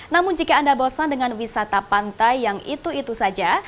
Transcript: namun jika anda bosan dengan wisata pantai yang itu itu saja